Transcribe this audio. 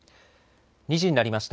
２時になりました。